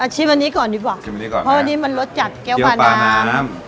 ชิมอันนี้ก่อนดีกว่าเพราะอันนี้มันรสจากเกี๊ยวปลาน้ำ